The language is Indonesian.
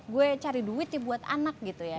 gue cari duit nih buat anak gitu ya